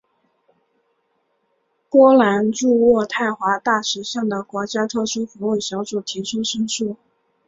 波兰驻渥太华大使向的国家特殊服务小组提出申诉。